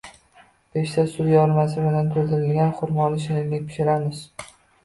Pechda suli yormasi bilan to‘ldirilgan xurmoli shirinlik pishiramiz